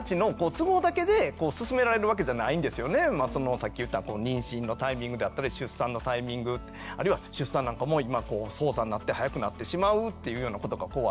さっき言った妊娠のタイミングであったり出産のタイミングあるいは出産なんかも今早産になって早くなってしまうっていうようなことがこうある。